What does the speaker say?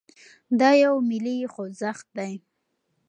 دا يو ملي خوځښت دی.